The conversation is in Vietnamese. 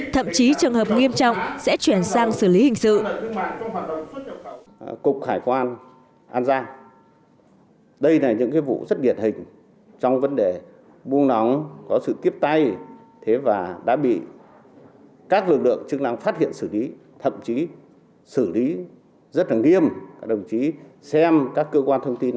thậm chí trường hợp nghiêm trọng sẽ chuyển sang xử lý hình sự